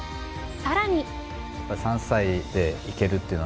さらに。